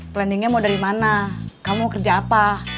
planningnya mau dari mana kamu kerja apa